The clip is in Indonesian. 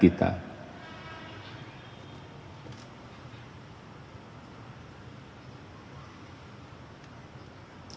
negara negara lain mulai melihat kita